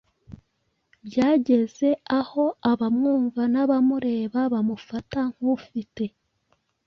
Byageze aho abamwumva n’abamureba bamufata nk’ufite